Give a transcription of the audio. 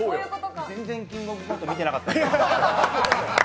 全然「キングオブコント」見てなかった。